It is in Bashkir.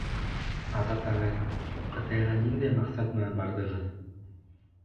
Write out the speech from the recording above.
— Азат ағай, Ҡытайға ниндәй маҡсат менән барҙығыҙ?